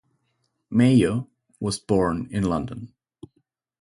Mayo was born in London.